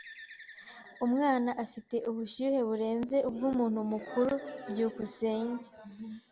Umwana afite ubushyuhe burenze ubw'umuntu mukuru. byukusenge